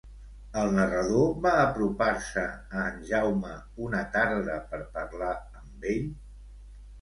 El narrador va apropar-se a en Jaume una tarda per parlar amb ell?